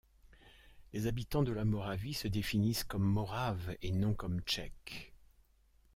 Les habitants de la Moravie se définissent comme Moraves et non comme Tchèques.